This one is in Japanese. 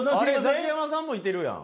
ザキヤマさんもいてるやん。